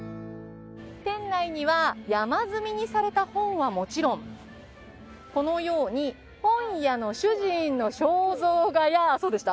店内には山積みにされた本はもちろんこのように本屋の主人の肖像画やそうでした？